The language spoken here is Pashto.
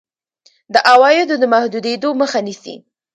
د عوایدو د محدودېدو مخه نیسي.